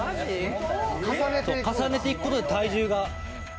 重ねていくことで体重が。